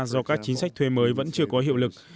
do các chính sách thuê mới vẫn chưa có hiệu lực